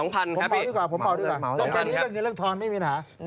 ๒พันครับพี่